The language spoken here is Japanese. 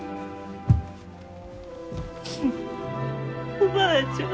おばあちゃん。